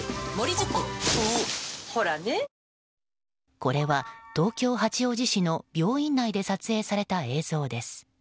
これは東京・八王子市の病院内で撮影された映像です。